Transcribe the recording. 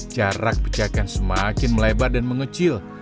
jarak pecahkan semakin melebar dan mengecil